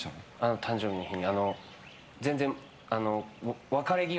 誕生日の日に。